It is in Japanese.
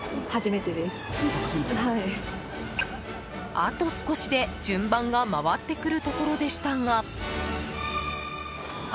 あと少しで順番が回ってくるところでしたが。